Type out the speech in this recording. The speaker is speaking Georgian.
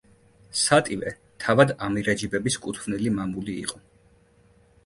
სატივე თავად ამირეჯიბების კუთვნილი მამული იყო.